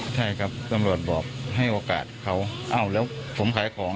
ใช่ครับตำรวจบอกให้โอกาสเขาอ้าวแล้วผมขายของ